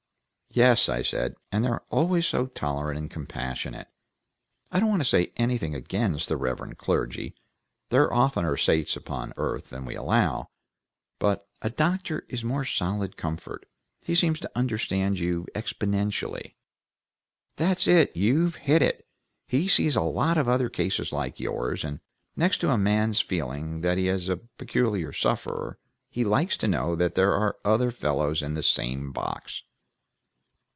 "Yes," I said, "and they're always so tolerant and compassionate. I don't want to say anything against the reverend clergy; they're oftener saints upon earth than we allow; but a doctor is more solid comfort; he seems to understand you exponentially." "That's it! You've hit it! He's seen lots of other cases like yours, and next to a man's feeling that he's a peculiar sufferer, he likes to know that there are other fellows in the same box."